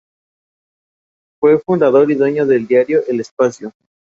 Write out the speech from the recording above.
Entre ellos, "Nada me debes", "Carne y uña" y "Sea breve".